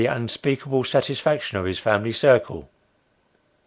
unspeakable satisfaction of his family circle.